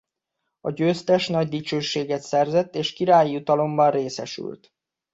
A győztes nagy dicsőséget szerzett és királyi jutalomban részesült.